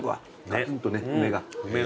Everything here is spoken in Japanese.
ガツンとね梅が。